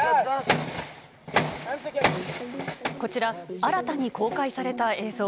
こちら、新たに公開された映像。